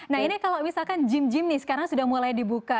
nah ini kalau misalkan gym gym nih sekarang sudah mulai dibuka